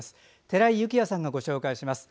寺井幸也さんがご紹介します。